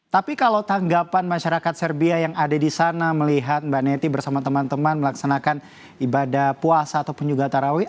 tapi kalau tanggapan masyarakat serbia yang ada di sana melihat mbak neti bersama teman teman melaksanakan ibadah puasa ataupun juga tarawih